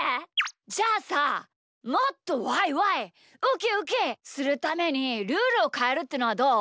じゃあさもっとワイワイウキウキするためにルールをかえるってのはどう？